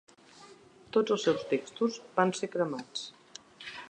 Tots els seus textos van ser cremats.